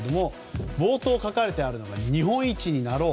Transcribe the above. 冒頭書かれているのが日本一になろう。